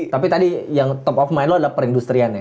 tapi tadi yang top of mind lo adalah perindustriannya